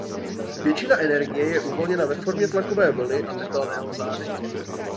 Většina energie je uvolněna ve formě tlakové vlny a tepelného záření.